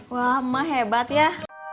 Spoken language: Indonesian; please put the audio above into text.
wah emang hebat ya